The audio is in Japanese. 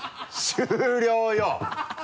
終了よ！